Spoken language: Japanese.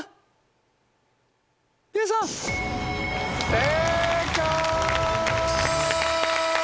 正解！